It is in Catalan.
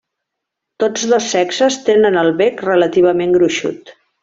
Tots dos sexes tenen el bec relativament gruixut.